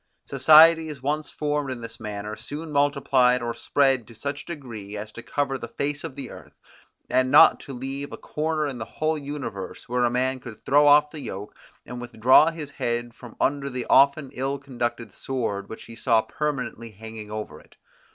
Societies once formed in this manner, soon multiplied or spread to such a degree, as to cover the face of the earth; and not to leave a corner in the whole universe, where a man could throw off the yoke, and withdraw his head from under the often ill conducted sword which he saw perpetually hanging over it.